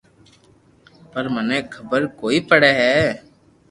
پر مني خبر ڪوئي پڙي ھي